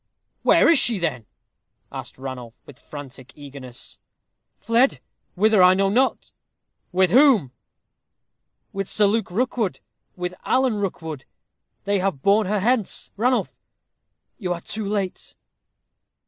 "Where is she, then?" asked Ranulph, with frantic eagerness. "Fled. Whither I know not." "With whom?" "With Sir Luke Rookwood with Alan Rookwood. They have borne her hence. Ranulph, you are too late."